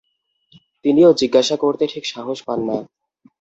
তিনিও জিজ্ঞাসা করতে ঠিক সাহস পান না।